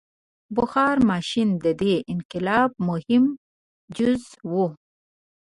• بخار ماشین د دې انقلاب مهم جز و.